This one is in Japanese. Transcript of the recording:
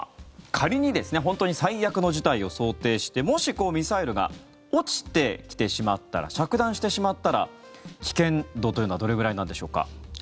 仮に本当に最悪の事態を想定してもし、ミサイルが落ちてきてしまったら着弾してしまったら危険度というのはどれくらいなんでしょうか。